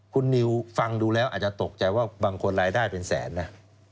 คุณนิวฟังดูแล้วอาจจะตกใจว่าบางคนรายได้เป็นแสนนะ